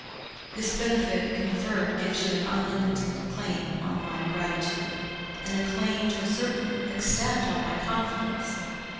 This benefit conferred gives you an unlimited claim on my gratitude, and a claim, to a certain extent, on my confidence.